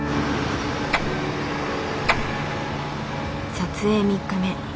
撮影３日目。